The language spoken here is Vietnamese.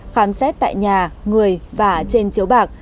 khám xét tại nhà người và trên chiếu bạc